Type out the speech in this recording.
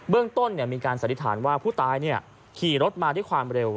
เรื่องต้นมีการสันนิษฐานว่าผู้ตายขี่รถมาด้วยความเร็ว